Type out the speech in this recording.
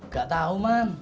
gak tau man